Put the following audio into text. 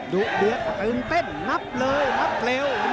ดุเดือดตื่นเต้นนับเลยนับเร็ว